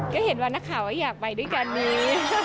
ก็เห็นว่านักข่าวก็อยากไปด้วยกันนี้